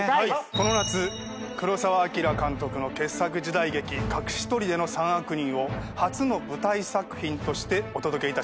この夏黒澤明監督の傑作時代劇『隠し砦の三悪人』を初の舞台作品としてお届けいたします。